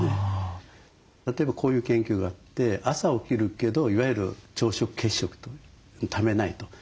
例えばこういう研究があって朝起きるけどいわゆる朝食欠食と。食べないと。